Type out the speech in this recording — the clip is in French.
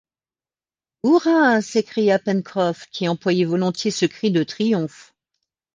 Hurrah ! s’écria Pencroff, qui employait volontiers ce cri de triomphe